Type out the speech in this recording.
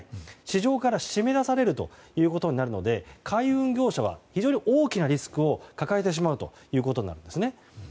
市場から締め出されるので海運業者は非常に大きなリスクを抱えてしまうということです。